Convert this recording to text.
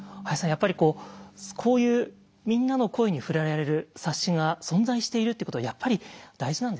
やっぱりこういうみんなの声に触れられる冊子が存在しているってことは大事なんですね。